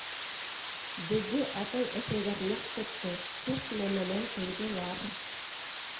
Беҙҙе атай-әсәйҙәр ныҡ тотто, күп нәмәнән тыйҙылар.